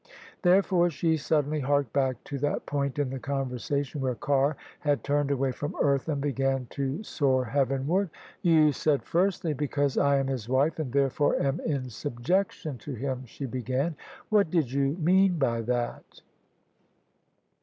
Therefore she suddenly harked back to that point in the conversation where Carr had turned away from earth and began to soar heavenward. "You said, firstly, because I am his wife and therefore am in subjection to him," she began: " what did you mean by that?"